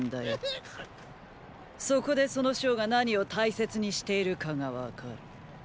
そこでその将が何を大切にしているかが分かる。